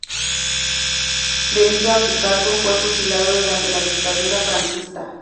Debido a su cargo, fue fusilado durante la Dictadura franquista.